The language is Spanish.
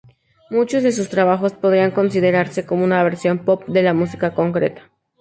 Muchos de sus trabajos podrían considerarse como una versión pop de la música concreta.